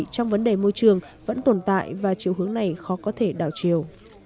trong vấn đề môi trường vẫn tồn tại và chiều hướng này khó có thể đảo chiều